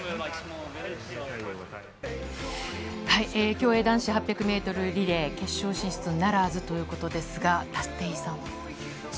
競泳男子８００メートルリレー、決勝進出ならずということですが、立石さん。